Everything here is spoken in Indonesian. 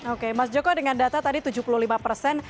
oke mas joko dengan data tadi tujuh puluh lima persen